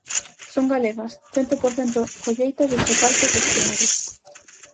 Son galegas, cento por cento colleita dos socalcos dos Peares.